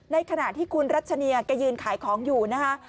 ในขณะที่คุณรัชเนียแกยืนขายของอยู่นะคะ